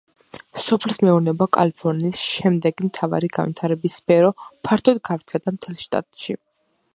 სოფლის მეურნეობა, კალიფორნიის შემდეგი მთავარი განვითარების სფერო, ფართოდ გავრცელდა მთელ შტატში.